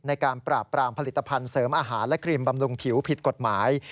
ในการปราบปรามผลิตภัณฑ์เสริมอาหารและครีมบำรุงผิวผิดกฎหมาย